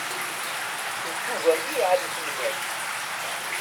D tuga i iɛellef lmal.